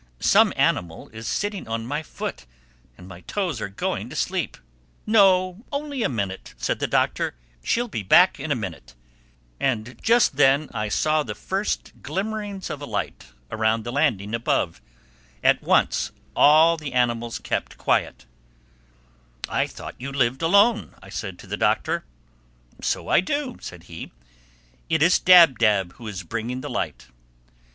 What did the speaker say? "Some animal is sitting on my foot and my toes are going to sleep." "No, only a minute," said the Doctor. "She'll be back in a minute." And just then I saw the first glimmerings of a light around the landing above. At once all the animals kept quiet. [Illustration: "And in her right foot she carried a lighted candle!"] "I thought you lived alone," I said to the Doctor. "So I do," said he. "It is Dab Dab who is bringing the light."